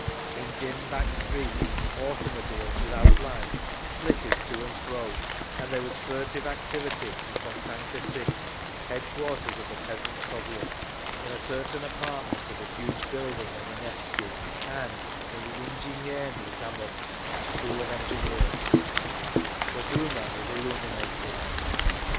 In dim back streets automobiles without lights flitted to and fro, and there was furtive activity in Fontanka 6, headquarters of the Peasants' Soviet, in a certain apartment of a huge building on the Nevsky, and in the Injinierny Zamok (School of Engineers); the Duma was illuminated….